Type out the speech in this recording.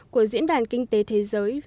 của diễn đàn kinh tế thế giới